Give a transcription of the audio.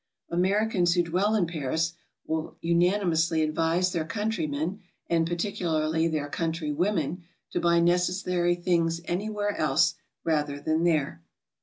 Americans who dwell in Paris will unani mously advise their countrymen, and particularly their countrywomen, to buy necessary things anywhere else rather than there.